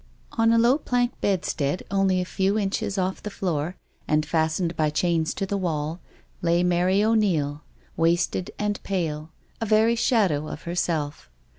On a low plank bedstead, only a few inches off the floor, and fastened by chains to the wall, lay Mary 0*Neil, wasted and pale— a very shadow of herself.